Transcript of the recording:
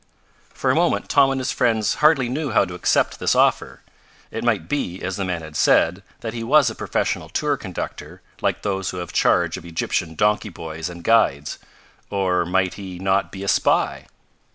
For a moment Tom and his friends hardly knew how to accept this offer. It might be, as the man had said, that he was a professional tour conductor, like those who have charge of Egyptian donkey boys and guides. Or might he not be a spy?